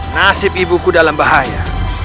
nasib ibuku dalam bahaya